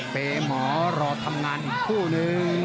เปย์หมอรอทำงานอีกคู่นึง